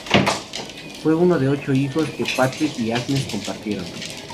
Fue uno de ocho hijos que Patrick y Agnes compartieron.